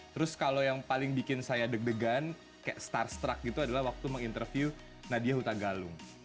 terus kalau yang paling bikin saya deg degan kayak starst truck gitu adalah waktu menginterview nadia huta galung